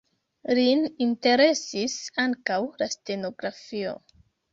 Lin interesis ankaŭ la stenografio.